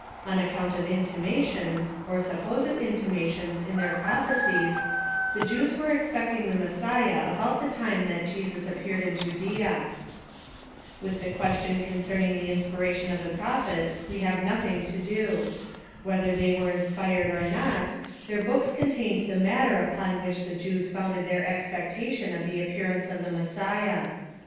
On account of intimations, or supposed intimations in their prophecies, the Jews were expecting the Messiah about the time that Jesus appeared in Judea. "VA ith the question con cerning the inspiration of the prophets we have nothing to do. Whether they were inspired or not, their books contained the matter upon which the Jews founded their expectation of the appearance of the Messiah.